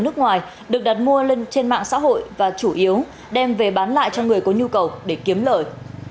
nước ngoài được đặt mua lên trên mạng xã hội và chủ yếu đem về bán lại cho người có nhu cầu để kiếm lời